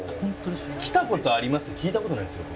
「来た事あります」って聞いた事ないんですよ